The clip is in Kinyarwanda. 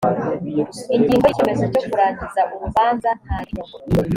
ingingo y’ icyemezo cyo kurangiza urubanza ntayirimo.